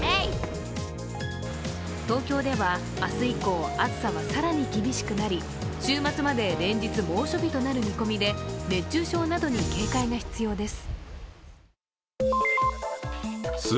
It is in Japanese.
東京では明日以降、暑さが更に厳しくなり週末まで連日猛暑日となる見込みで熱中症などに警戒が必要です。